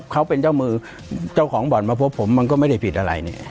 เขาเป็นเจ้ามือเจ้าของบ่อนมาพบผมมันก็ไม่ได้ผิดอะไรเนี่ย